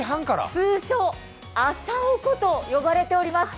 通称・朝おこと呼ばれています。